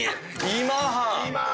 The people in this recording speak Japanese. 今半！